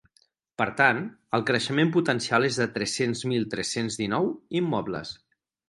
Per tant, el creixement potencial és de tres mil tres-cents dinou immobles.